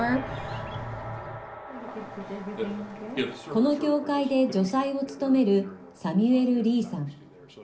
この教会で助祭を務めるサミュエル・リーさん。